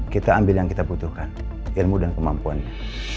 kita ambil yang kita butuhkan ilmu dan kemampuannya